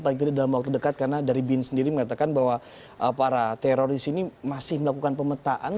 paling tidak dalam waktu dekat karena dari bin sendiri mengatakan bahwa para teroris ini masih melakukan pemetaan